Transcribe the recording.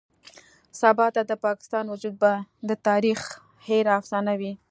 سباته د پاکستان وجود به د تاريخ هېره افسانه وي.